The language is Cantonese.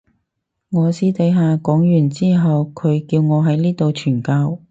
我私底下講完之後佢叫我喺呢度傳教